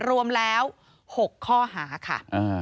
รวมแล้ว๖ข้อหาค่ะ